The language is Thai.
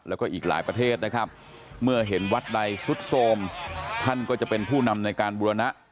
แล้วก็อีกหลายประเทศนะครับเมื่อเห็นวัดใดสุดโทรมท่านก็จะเป็นผู้นำในการบุรณะ